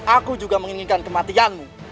aku juga menginginkan kematianmu